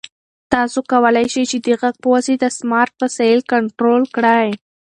تاسو کولای شئ چې د غږ په واسطه سمارټ وسایل کنټرول کړئ.